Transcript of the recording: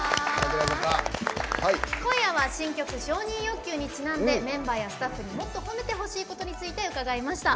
今夜は新曲「承認欲求」にちなんでメンバーやスタッフにもっと褒めてほしいことについて伺いました。